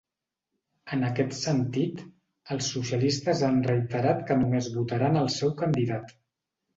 En aquest sentit, els socialistes han reiterat que només votaran al seu candidat.